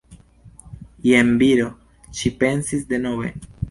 Jen viro, ŝi pensis denove.